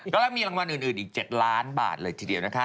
แล้วมีรางวัลอื่นอีก๗ล้านบาทเลยทีเดียวนะคะ